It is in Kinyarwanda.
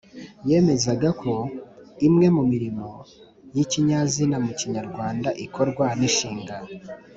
yemezaga ko imwe mu murimo y’ikinyazina mu kinyarwanda ikorwa n’inshinga